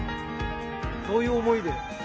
どういう思いで？